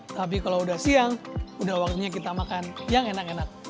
tapi kalau udah siang udah waktunya kita makan yang enak enak